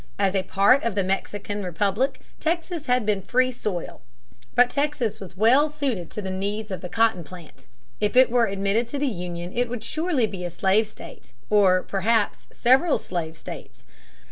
As a part of the Mexican Republic Texas had been free soil. But Texas was well suited to the needs of the cotton plant. If it were admitted to the Union, it would surely be a slave state or, perhaps, several slave states.